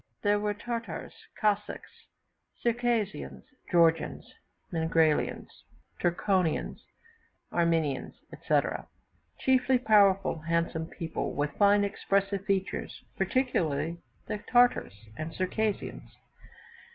There were Tartars, Cossacks, Circassians, Georgians, Mingrelians, Turkonians, Armenians, etc.; chiefly powerful, handsome people, with fine expressive features particularly the Tartars and Circassians.